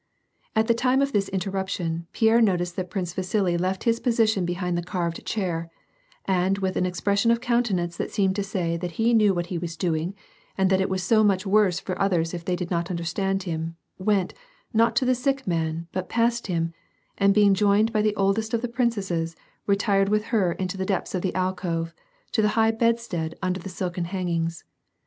At the time of this interruption, Pierre noticed that Prince Vasili left his position behind the carved chair and with an expression of countenance that seemed to say that he knew what he was doing, and that it was so much the worse for others if they did not understand him, went, not to the sick man but past him, and being joined by the oldest of the prin cesses, retired with her into the depths of the alcove, to the high bedstead under the silken hangings.